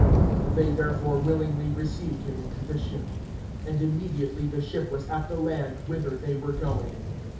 (21)They therefore willingly received him into the ship; and immediately the ship was at the land whither they were going.